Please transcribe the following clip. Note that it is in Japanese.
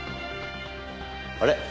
あれ？